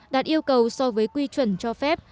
đạt yêu cầu so với quy chuẩn cho phép